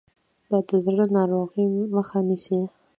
دا د زړه ناروغۍ مخه نیسي.